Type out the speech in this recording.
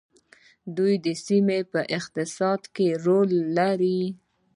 دوی د سیمې په اقتصاد کې رول لري.